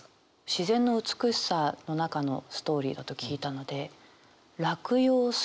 自然の美しさの中のストーリーだと聞いたので落葉するように。